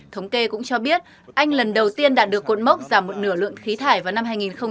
thống kê cũng cho biết anh lần đầu tiên đạt được cột mốc giảm một nửa lượng khí thải vào năm hai nghìn hai mươi